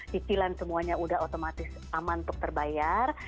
cicilan semuanya udah otomatis aman untuk terbayar